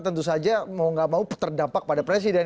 tentu saja mau gak mau terdampak pada presiden